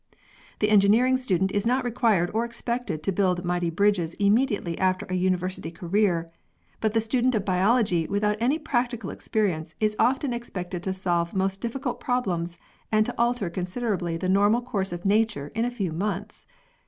The engineering student is not required or expected to build mighty bridges immediately after a university career, but the student of biology without any practical experience is often expected to solve most difficult problems and to alter con siderably the normal course of nature in a few months.